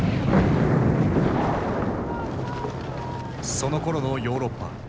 そのころのヨーロッパ。